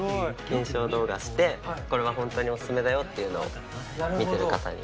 検証動画してこれは本当におすすめだよっていうのを見てる方に。